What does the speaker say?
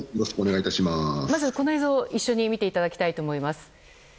まず、この映像を一緒に見ていただきたいと思います。